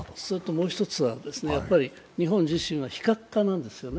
もう１つは、日本自身は非核化なんですよね。